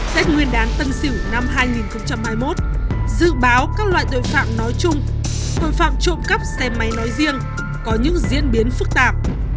tết nguyên đán tân sửu năm hai nghìn hai mươi một dự báo các loại tội phạm nói chung tội phạm trộm cắp xe máy nói riêng có những diễn biến phức tạp